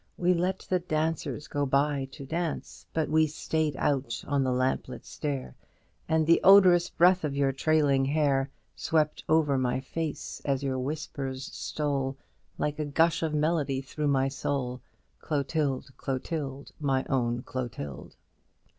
We let the dancers go by to dance; But we stayed out on the lamplit stair, And the odorous breath of your trailing hair Swept over my face as your whispers stole Like a gush of melody through my soul; Clotilde, Clotilde, my own Clotilde!"